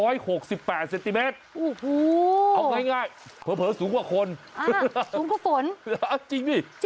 จริงนี่จริงฝนสูง๑๕๘๑๕๙เอ็ง